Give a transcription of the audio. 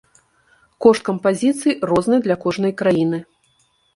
Кошт кампазіцый розны для кожнай краіны.